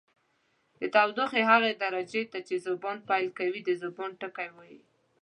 د تودوخې هغه درجې ته چې ذوبان پیل کوي د ذوبان ټکی وايي.